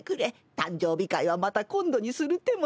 誕生日会はまた今度にする手もある。